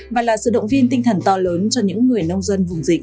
và là sự động viên tinh thần to lớn cho những người nông dân vùng dịch